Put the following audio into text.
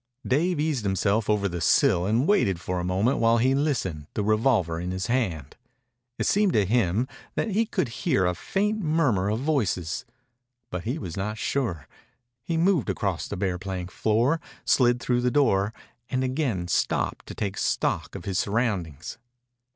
Dave eased himself over the sill and waited for a moment while he listened, the revolver in his hand. It seemed to him that he could hear a faint murmur of voices, but he was not sure. He moved across the bare plank floor, slid through the door, and again stopped to take stock of his surroundings.